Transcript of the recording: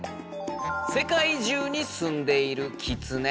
世界中に住んでいるキツネ。